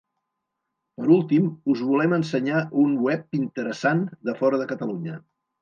Per últim, us volem ensenyar un web interessant de fora de Catalunya.